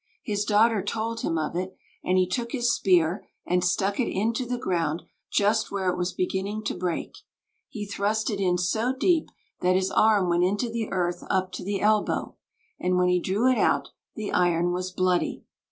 His daughter told him of it, and he took his spear and stuck it into the ground just where it was beginning to break. He thrust it in so deep that his arm went into the earth up to the elbow, and when he drew it out the iron was bloody.